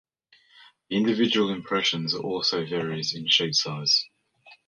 The individual impressions also vary in sheet size.